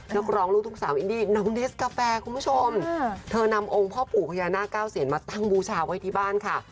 นักร้องลูกทุกสาวอินดี้น้องเดสกาแฟคุณผู้ชมเธอนำองค์พ่อปู่พญานาคเก้าเซียนมาตั้งบูชาไว้ที่บ้านค่ะ